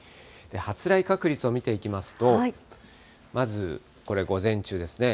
発雷確率を見ていきますと、まずこれ午前中ですね。